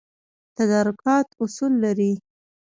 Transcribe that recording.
تدارکات اصول لري